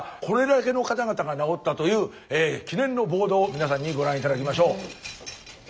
これだけの方々がなおったという記念のボードを皆さんにご覧頂きましょう。